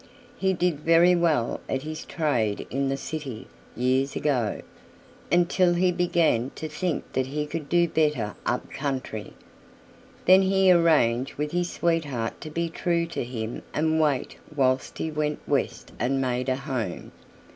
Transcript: He did very well at his trade in the city, years ago, until he began to think that he could do better up country. Then he arranged with his sweetheart to be true to him and wait whilst he went west and made a home.